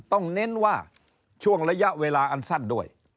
เน้นว่าช่วงระยะเวลาอันสั้นด้วย